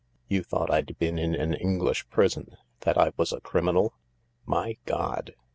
" You thought I'd been in an English prison — that I was a criminal ? My God!"